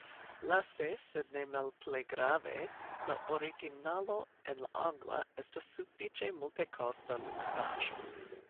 Laste, sed ne malplej grave, la originalo en la angla estas sufiĉe multekosta luksaĵo.